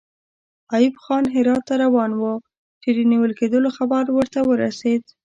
ایوب خان هرات ته روان وو چې د نیول کېدلو خبر ورته ورسېد.